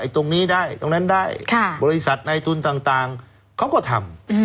ชี้ช่องไหวตรงนี้ได้ตรงนั้นได้ค่ะบริษัทในทุนต่างต่างเขาก็ทำ